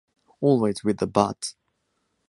Always with the bat?